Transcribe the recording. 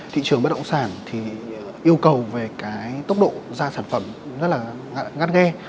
thị trường bất động sản thì yêu cầu về tốc độ ra sản phẩm rất là ngắt ghê